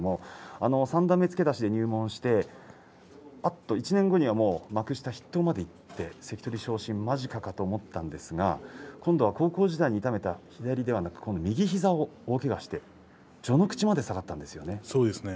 三段目付け出しで入門して１年後には幕下筆頭まで行って関取昇進間近かと思ったんですが今度は高校時代に痛めた左ではなく右膝を大けがして序ノ口まで下がったんですよね。